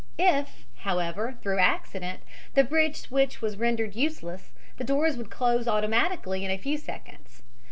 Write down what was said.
If, however, through accident the bridge switch was rendered useless the doors would close automatically in a few seconds.